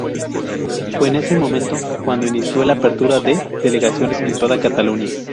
Fue en ese momento cuando inició la apertura de delegaciones en toda Cataluña.